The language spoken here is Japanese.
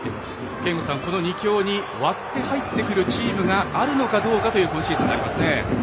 憲剛さん、この２強に割って入ってくるチームがあるのかどうかという今シーズンになりますね。